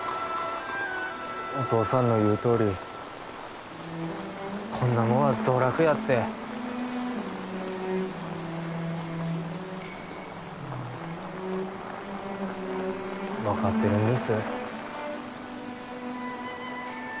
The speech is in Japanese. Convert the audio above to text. お義父さんの言うとおりこんなもんは道楽やって分かってるんです